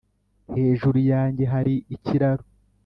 hejuru yanjye hari ikiraro "